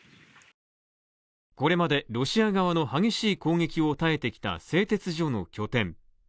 これまで、ロシア側の激しい攻撃を耐えてきた製鉄所の拠点。